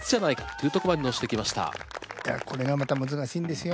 いやこれがまた難しいんですよ。